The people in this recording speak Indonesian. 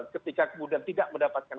ketika kemudian tidak mendapatkan